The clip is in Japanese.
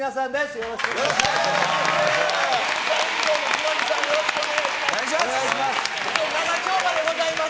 よろしくお願いします。